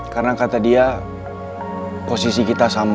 karena kata dia posisi kita sama